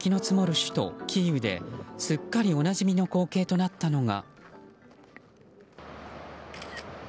首都キーウですっかりおなじみの光景となったのが。